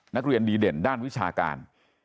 นักเรียนดีเด่นด้านวิชาการ